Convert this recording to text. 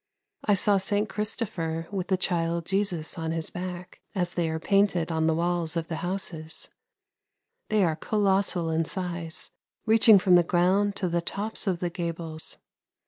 I saw St. Christopher with the child Jesus on his back, as they are painted on the walls of the houses; they are colossal in size, reaching from the ground to the tops of the gables.